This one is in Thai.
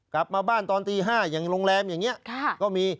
กลับมาบ้านตอนตี๕อย่างโรงแรมอย่างนี้ก็มี